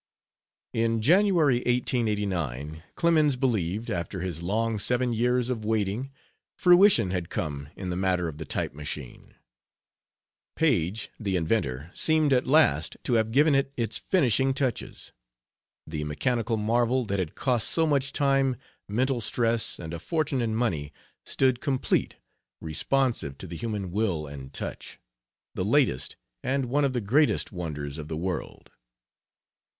In January, 1889, Clemens believed, after his long seven years of waiting, fruition had come in the matter of the type machine. Paige, the inventor, seemed at last to have given it its finishing touches. The mechanical marvel that had cost so much time, mental stress, and a fortune in money, stood complete, responsive to the human will and touch the latest, and one of the greatest, wonders of the world.